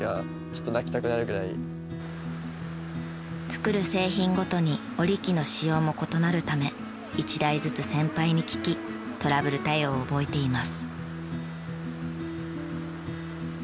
作る製品ごとに織り機の仕様も異なるため１台ずつ先輩に聞きトラブル対応を覚えています。